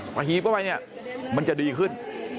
พอหีบเข้าไปเนี่ยมันจะดีขึ้น